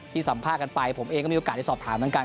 สัมภาษณ์กันไปผมเองก็มีโอกาสได้สอบถามเหมือนกัน